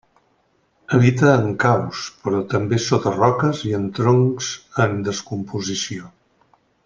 Habita en caus, però també sota roques i en troncs en descomposició.